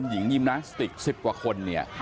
หญิงยิมนาสติกสิบกว่าคน